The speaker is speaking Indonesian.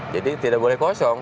jadi tidak boleh kosong